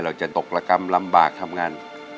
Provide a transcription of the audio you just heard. จะตกระกรรมลำบากทำงาน